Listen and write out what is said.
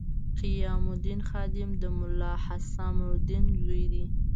قیام الدین خادم د ملا حسام الدین زوی دی.